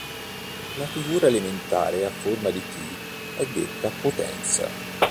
La figura elementare, a forma di T, è detta "potenza".